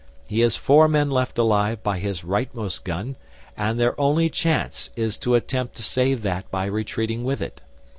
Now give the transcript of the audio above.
He has four men left alive by his rightmost gun, and their only chance is to attempt to save that by retreating with it.